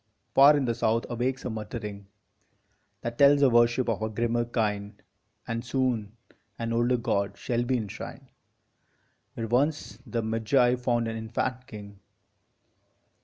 Far in the south awakes a muttering That tells a worship of a grimmer kind, And soon an older god shall be enshrined Where once the Magi found an infant King.